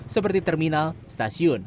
seperti terminal stasiun